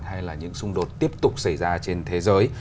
hay là những xung đột tiếp tục xảy ra trên thế giới